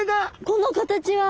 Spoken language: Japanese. この形は。